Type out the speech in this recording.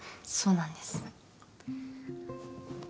そうなんです。